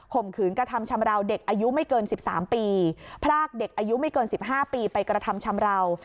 มขืนกระทำชำราวเด็กอายุไม่เกิน๑๓ปีพรากเด็กอายุไม่เกิน๑๕ปีไปกระทำชำราว